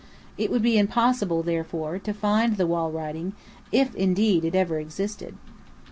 It would be impossible, therefore, to find the wall writing, "if indeed it ever existed."